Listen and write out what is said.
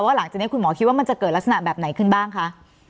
หลังจากนี้คุณหมอคิดว่ามันจะเกิดลักษณะแบบไหนขึ้นบ้างคะ